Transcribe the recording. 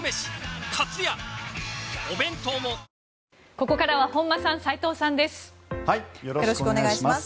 ここからは本間さん、斎藤さんです。